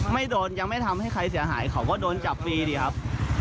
ไม่โดนยังไม่ทำให้ใครเสียหายเขาก็โดนจับฟรีดิครับ